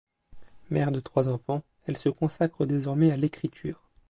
Mère de trois enfants, elle se consacre désormais à l'écriture.